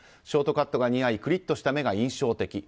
ショートカットが似合いクリッとした目が印象的。